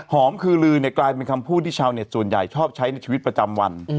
คือลือเนี่ยกลายเป็นคำพูดที่ชาวเน็ตส่วนใหญ่ชอบใช้ในชีวิตประจำวัน